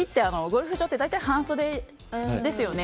ゴルフ場って大体半袖ですよね。